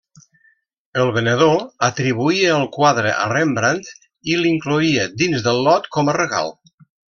El venedor atribuïa el quadre a Rembrandt, i l'incloïa dins del lot com a regal.